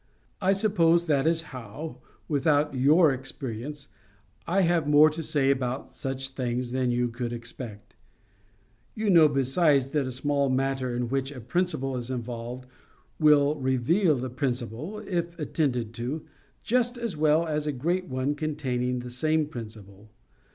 I suppose that is how, without your experience, I have more to say about such things than you could expect. You know besides that a small matter in which a principle is involved will reveal the principle, if attended to, just as well as a great one containing the same principle.